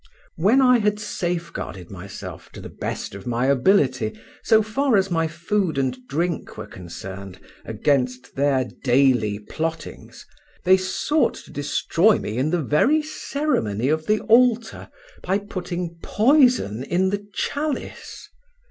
When I had safeguarded myself to the best of my ability, so far as my food and drink were concerned, against their daily plottings, they sought to destroy me in the very ceremony of the altar by putting poison in the chalice.